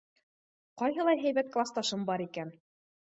Ҡайһылай һәйбәт класташым бар икән!